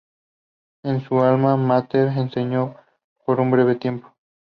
En su "alma mater" enseñó por un breve tiempo.